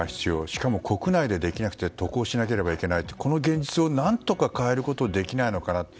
しかも国内でできなくて渡航しなければいけないという現実を何とか変えることはできないのかなと。